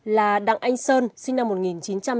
là đặng anh sơn sinh năm một nghìn chín trăm chín mươi năm